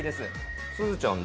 すずちゃん